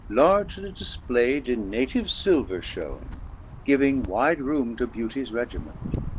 Largely difplay'd in native filver flione. Giving wide room to Beauty's regiment.